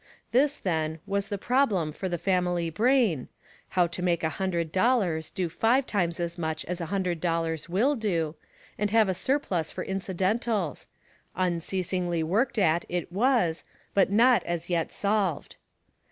This, then, was the problem for the family brain, how to make a hundred dollars do five times as much as a hundred dollars will do, and have a surplus for incidentals — unceasingly worked at it was, but not as yet solved.